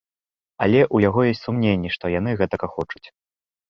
Але ў яго ёсць сумненні, што яны гэтага хочуць.